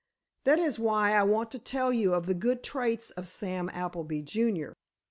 That is why I want to tell you of the good traits of Sam Appleby, junior.